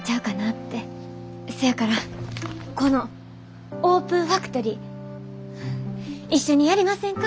せやからこのオープンファクトリー一緒にやりませんか？